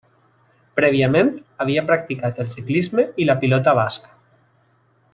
Prèviament havia practicat el ciclisme i la pilota basca.